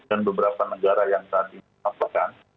dan beberapa negara yang tadi dikenalpakan